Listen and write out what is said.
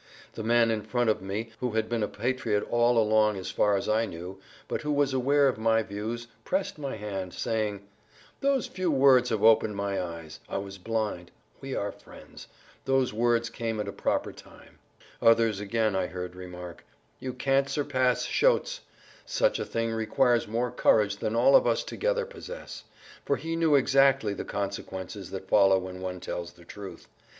The man in front of me, who had been a patriot all along as far as I knew, but who was aware of my views, pressed my hand, saying, "Those few words have opened my eyes; I was blind; we are friends. Those words came at the proper time." Others again I heard remark: "You can't surpass Schotes; such a thing requires more courage than all of us together possess. For he knew exactly the consequences that follow when one tells the truth.